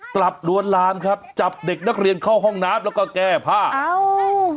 ลวนลามครับจับเด็กนักเรียนเข้าห้องน้ำแล้วก็แก้ผ้าอ้าว